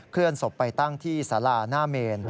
เลื่อนศพไปตั้งที่สาราหน้าเมน